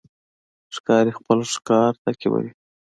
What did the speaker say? ښکاري خپل ښکار تعقیبوي.